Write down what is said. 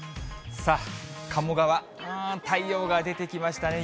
さあ、鴨川、太陽が出てきましたね。